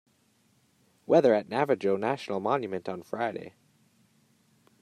Weather at Navajo National Monument on fri.